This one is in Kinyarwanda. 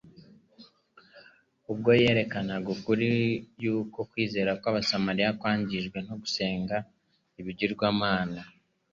Ubwo yerekanaga ukuri yuko kwizera kw’Abasamariya kwangijwe no gusenga ibigirwamana,